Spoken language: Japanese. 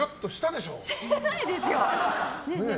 してないですよ！